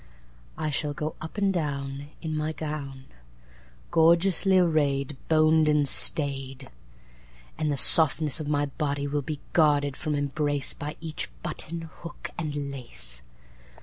I shall goUp and downIn my gown. Gorgeously arrayed, Boned and stayed. And the softness of my body will be guarded from embraceBy each button, hook, and lace.